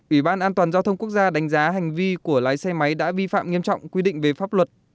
ủy ban an toàn giao thông quốc gia đánh giá hành vi của lái xe máy đã vi phạm nghiêm trọng quy định về pháp luật